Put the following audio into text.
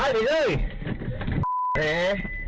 รอดมา